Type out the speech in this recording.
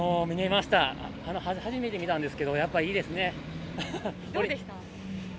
初めて見たんですけど、やっぱいどうでした？